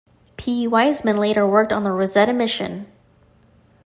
P. Weissman later worked on the Rosetta mission.